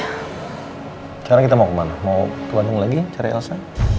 sekarang kita mau kemana mau ke bandung lagi cari elsa